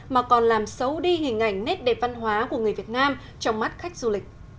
mà còn làm xấu đi hình ảnh nét đẹp văn hóa của người việt nam trong mắt khách du lịch